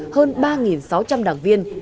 hơn ba sáu trăm linh đảng viên